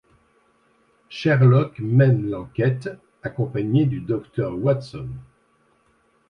Sherlock mène l'enquête, accompagné du docteur Watson.